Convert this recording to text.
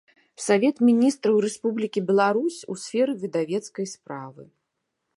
Савет Мiнiстраў Рэспублiкi Беларусь у сферы выдавецкай справы.